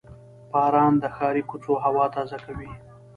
• باران د ښاري کوڅو هوا تازه کوي.